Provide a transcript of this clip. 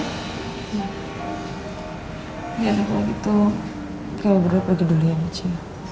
ya apalagi itu kalau berdua pergi dulu ya michi